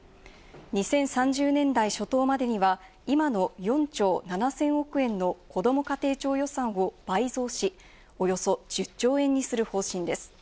２０３０年代初頭までには今の４兆７０００億円のこども家庭庁予算を倍増し、およそ１０兆円にする方針です。